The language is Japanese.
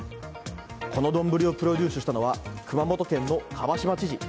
この丼をプロデュースしたのは熊本県の蒲島知事。